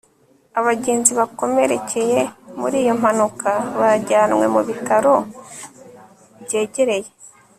Abagenzi bakomerekeye muri iyo mpanuka bajyanywe mu bitaro byegereye